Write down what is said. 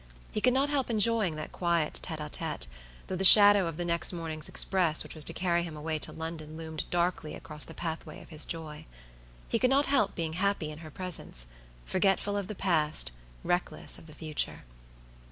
He could not help enjoying that quiet tête a tête, though the shadow of the next morning's express which was to carry him away to London loomed darkly across the pathway of his joy. He could not help being happy in her presence; forgetful of the past, reckless of the future.